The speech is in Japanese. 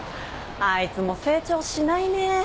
あいつも成長しないね。